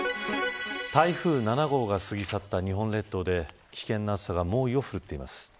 台風７号が過ぎ去った日本列島で危険な暑さが猛威を振るっています。